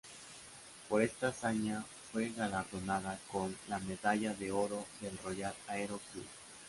Por esta hazaña fue galardonado con la Medalla de Oro del Royal Aero Club.